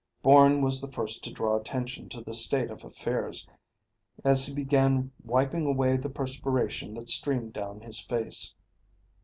Bourne was the first to draw attention to the state of affairs, as he began wiping away the perspiration that streamed down his face.